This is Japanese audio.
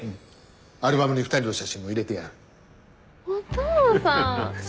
アルバムに２人の写真も入れてやる。